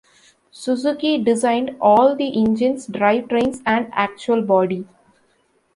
Suzuki designed all the engines, drivetrains and actual body.